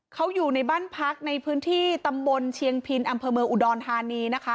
เขาอยู่ในบ้านพักในพื้นที่ตำบลเชียงพินอำเภอเมืองอุดรธานีนะคะ